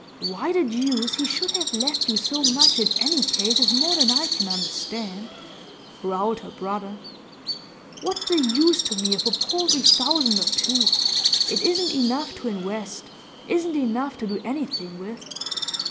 'Why the deuce he should have left you so much in any case is more than I can understand,' growled her brother. 'What's the use to me of a paltry thousand or two? It isn't enough to invest; isn't enough to do anything with.